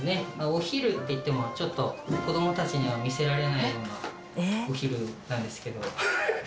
お昼っていっても子供たちには見せられないようなお昼なんですけど。